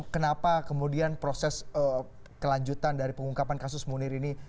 kenapa kemudian proses kelanjutan dari pengungkapan kasus munir ini